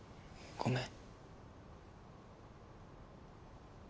ごめん。